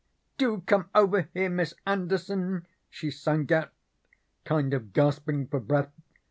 'Do come over here, Miss Anderson,' she sung out, kind of gasping for breath.